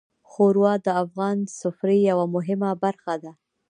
ښوروا د افغان سفرې یوه مهمه برخه ده.